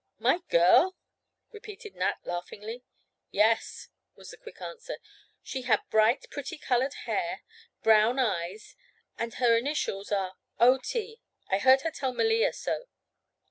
"My girl?" repeated Nat laughingly. "Yes," was the quick answer. "She had bright, pretty colored hair, brown eyes and her initials are O. T. I heard her tell Melea so."